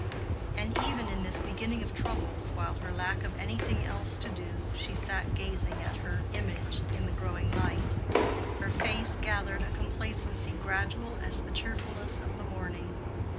And even in this beginning of troubles, while for lack of anything else to do she sat gazing at her image in the growing light, her face gathered a complacency gradual as the cheerfulness of the morning.